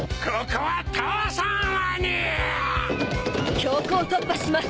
強行突破します！